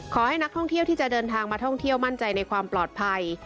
ขอให้นักท่องเที่ยวที่จะเดินทางมาท่องเที่ยวมั่นใจในความปลอดภัย